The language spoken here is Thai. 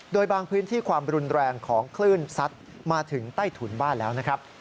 โดยบางพื้นที่ความรุนแรงของคลื่นซัดมาถึงใต้ถุนบ้านแล้วนะครับ